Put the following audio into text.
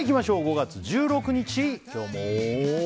５月１６日、今日も。